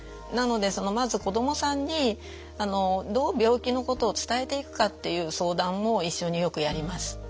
なのでそのまず子どもさんにどう病気のことを伝えていくかっていう相談を一緒によくやります。